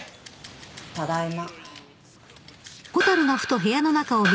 ただいま。